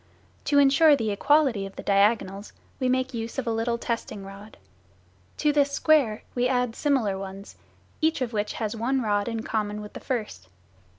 To ensure the equality of the diagonals, we make use of a little testing rod. To this square we add similar ones, each of which has one rod in common with the first.